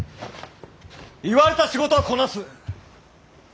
言われた仕事はこなす。